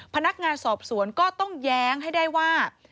พนักงานสอบสวนก็ต้องแย้งให้ได้ว่า